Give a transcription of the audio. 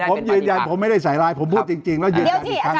ผมยืนยันผมไม่ได้ใส่ไลน์ผมพูดจริงแล้วยืนยันอีกครั้ง